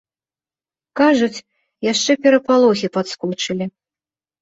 Кажуць, яшчэ перапалохі падскочылі.